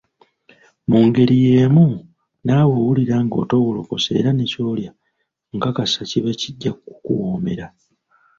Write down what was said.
Mu ngeri yeemu naawe owulira ng'oteewulukuse era ne ky'olya nkakasa kiba kijja kukuwoomera.